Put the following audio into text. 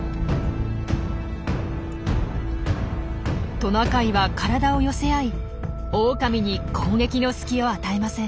トナカイは体を寄せ合いオオカミに攻撃の隙を与えません。